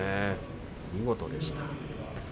見事でした。